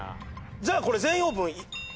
じゃあこれ「全員オープン」いきます。